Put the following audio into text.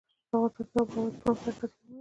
افغانستان کې د آب وهوا د پرمختګ هڅې روانې دي.